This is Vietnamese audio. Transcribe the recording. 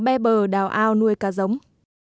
le bờ đào ao nuôi cá giống